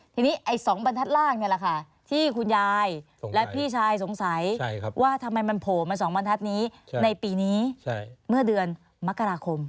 ทีนี้ไอ้๒บรรทัดล่างนี่แหละค่ะที่คุณยายและพี่ชายสงสัยว่าทำไมมันโผล่มา๒บรรทัศน์นี้ในปีนี้เมื่อเดือนมกราคม